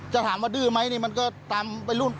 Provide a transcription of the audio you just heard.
ถามว่าดื้อไหมนี่มันก็ตามไปรุ่น